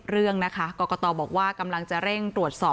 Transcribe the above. เรื่องนะคะกรกตบอกว่ากำลังจะเร่งตรวจสอบ